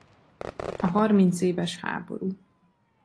A harmincéves háború.